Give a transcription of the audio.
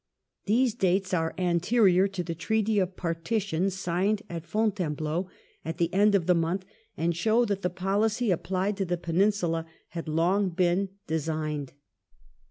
These dates are anterior to the treaty of partition signed at Fontainebleau at the end of the month, and show that the policy applied to the Peninsula had long been de CHAP. V THE FRENCH IN PORTUGAL 95 signed.